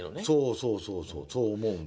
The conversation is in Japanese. そうそうそうそう思うんだ。